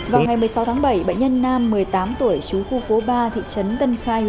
vào ngày một mươi sáu tháng bảy bệnh nhân nam một mươi tám tuổi chú khu phố ba thị trấn tân khanh